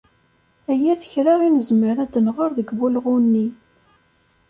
Aya d kra i nezmer ad nɣer deg wulɣu-nni.